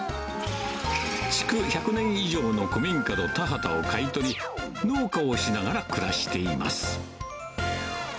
築１００年以上の古民家の田畑を買い取り、農家をしながら暮らしています。